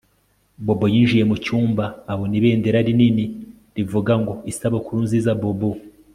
Bobo yinjiye mucyumba abona ibendera rinini rivuga ngo Isabukuru nziza Bobo